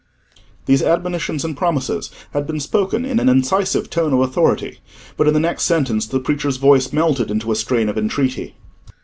These admonitions and promises had been spoken in an incisive tone of authority; but in the next sentence the preacher's voice melted into a strain of entreaty.